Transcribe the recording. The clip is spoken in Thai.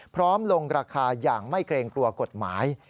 พร้อมลงราคาอย่างไม่เกรงกลัวกฎหมาย